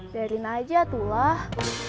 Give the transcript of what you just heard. biarin aja atu lah